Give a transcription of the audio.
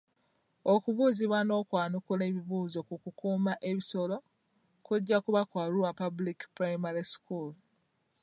Okubuuzibwa n'okwanukula ebibuuzo ku kukuuma ebisolo kujja kuba ku Arua public primary school.